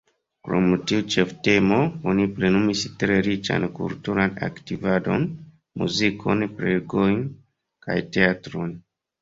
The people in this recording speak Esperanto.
Krom tiu ĉeftemo, oni plenumis tre riĉan kulturan aktivadon: muzikon, prelegojn kaj teatron.